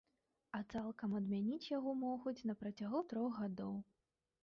А цалкам адмяніць яго могуць на працягу трох гадоў.